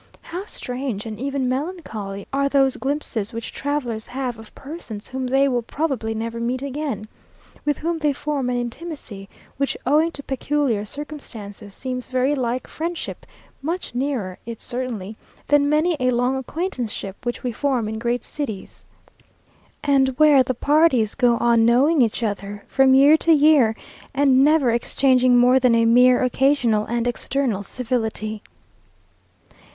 How strange and even melancholy are those glimpses which travellers have of persons whom they will probably never meet again; with whom they form an intimacy, which owing to peculiar circumstances seems very like friendship much nearer it certainly, than many a long acquaintanceship which we form in great cities, and where the parties go on knowing each other from year to year, and never exchanging more than a mere occasional and external civility.